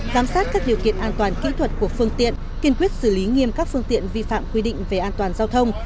giám sát các điều kiện an toàn kỹ thuật của phương tiện kiên quyết xử lý nghiêm các phương tiện vi phạm quy định về an toàn giao thông